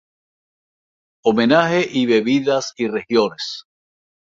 Homenaje y Bebidas y regiones.